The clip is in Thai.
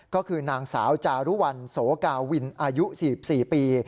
ก็คือนางสาวจารุวัลโสกาวินอายุ๔๔ปี